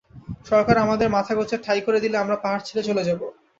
সরকার আমাদের মাথা গোঁজার ঠাঁই করে দিলে আমরা পাহাড় ছেড়ে চলে যাব।